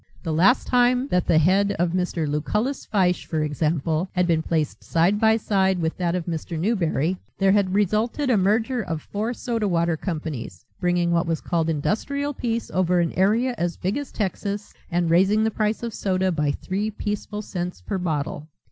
The last time that the head of Mr. Lucullus Fyshe, for example, had been placed side by side with that of Mr. Newberry, there had resulted a merger of four soda water companies, bringing what was called industrial peace over an area as big as Texas and raising the price of soda by three peaceful cents per bottle.